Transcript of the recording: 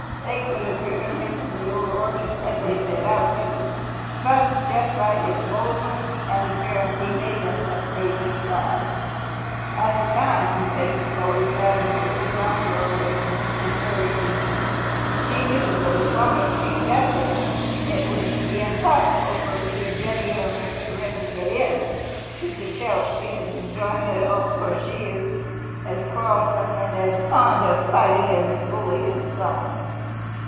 They could have driven him from the Old Orchard had they set out to, but just by his boldness and appearance he made them afraid to try. All the time Mrs. Bully sat in the little round doorway, encouraging him. She knew that as long as she sat there it would be impossible for either Jenny or Mr. Wren to get in. Truth to tell, she was enjoying it all, for she is as quarrelsome and as fond of fighting as is Bully himself.